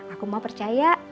aku mau percaya